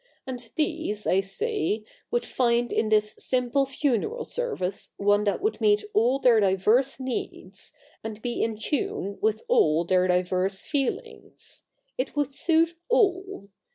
And these, I say, would find in this simple funeral service one that would meet all their diverse needs, and be in tune with all their diverse feelings. It would suit all.